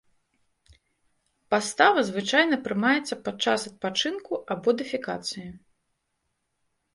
Пастава звычайна прымаецца падчас адпачынку або дэфекацыі.